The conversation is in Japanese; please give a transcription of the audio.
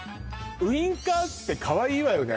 「ウインカー」ってかわいいわよね